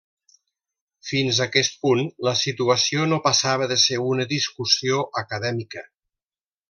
Fins aquest punt, la situació no passava de ser una discussió acadèmica.